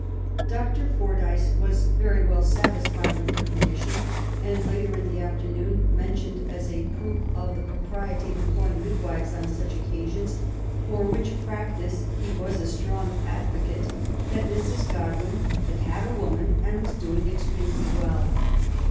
Dr. Fordyce was very well satisfied with her condition^ and later, in the afternoon, mentioned as a proof of the propriety of employing midwives on such occasions, for which practice he was a strong advocate, that Mrs. Godwin *' had had a woman, and was doing extremely well.'